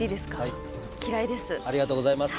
ありがとうございます。